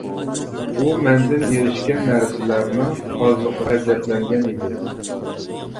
ئۇ مەندىن ئېرىشكەن نەرسىلەرنىڭ ئازلىقىغا غەزەپلەنگەن ئىدى.